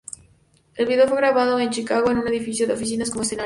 El video fue grabado en Chicago en un edificio de oficinas como escenario.